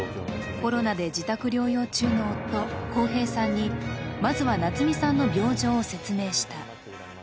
コロナで自宅療養中の夫、航平さんにまずは夏美さんの病状を説明した。